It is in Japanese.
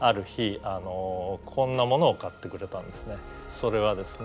それはですね